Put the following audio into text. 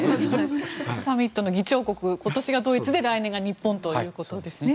サミットの議長国今年がドイツで来年が日本ということですね。